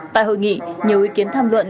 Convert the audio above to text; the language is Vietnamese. tại hội nghị nhiều ý kiến tham luận